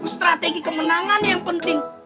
strategi kemenangannya yang penting